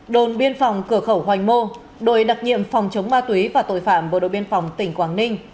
đồn biên phòng cửa khẩu hoành mô đội đặc nhiệm phòng chống ma túy và tội phạm bộ đội biên phòng tỉnh quảng ninh